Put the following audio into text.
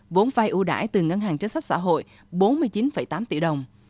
vốn vai ưu đãi từ ngân hàng chính sách xã hội bốn mươi chín tám tỷ đồng